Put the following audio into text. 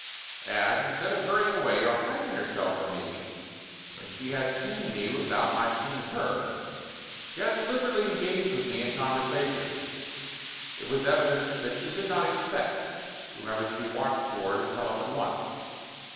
As, instead of hurrying away or hiding herself from me when she had seen me without my seeing her, she had deliberately engaged with me in conversation, it was evident that she did not expect whomever she watched for to come up at once.